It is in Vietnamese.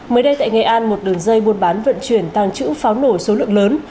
mới đây tại nghệ an một đường dây buôn bán vận chuyển tàng trữ pháo nổ số lượng lớn